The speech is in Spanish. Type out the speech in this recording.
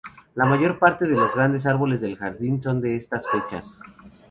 La mayor parte de los grandes árboles del jardín son de estas fechas.